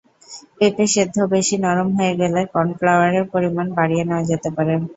পেঁপে সেদ্ধ বেশি নরম হয়ে গেলে কর্নফ্লাওয়ারের পরিমাণ বাড়িয়ে নেওয়া যেতে পারে।